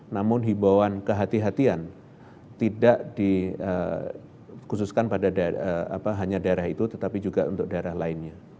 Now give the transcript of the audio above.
namun hibauan kehatian tidak dikhususkan pada hanya daerah itu tetapi juga untuk daerah lainnya